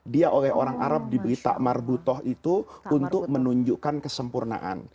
dia oleh orang arab diberi ta'mar butoh itu untuk menunjukkan kesempurnaan